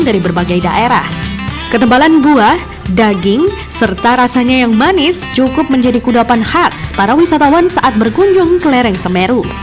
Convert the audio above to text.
dari berbagai daerah ketebalan buah daging serta rasanya yang manis cukup menjadi kudapan khas para wisatawan saat berkunjung ke lereng semeru